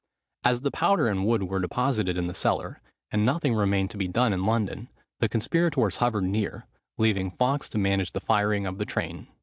As the powder and the wood were deposited in the cellar, and nothing remained to be done in London, the conspirators hovered near, leaving Fawkes to manage the firing of the train.